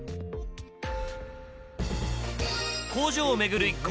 工場を巡る一行。